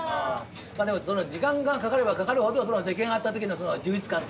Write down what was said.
まあでもその時間がかかればかかるほど出来上がった時の充実感っていうのはあるんだな